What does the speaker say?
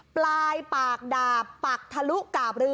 ปลายปากดาบปักทะลุกาบเรือ